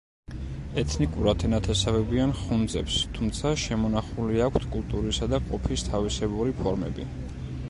ეთნიკურად ენათესავებიან ხუნძებს, თუმცა შემონახული აქვთ კულტურისა და ყოფის თავისებური ფორმები.